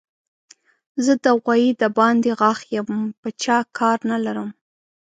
زه د غوايي د باندې غاښ يم؛ په چا کار نه لرم.